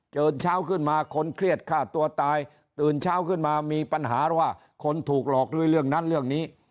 เชิญเช้าขึ้นมาคนเครียดฆ่าตัวตายตื่นเช้าขึ้นมามีปัญหาว่าคนถูกหลอกด้วยเรื่องนั้นเรื่องนี้